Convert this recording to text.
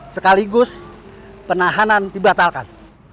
sekaligus penahanan dibatalkan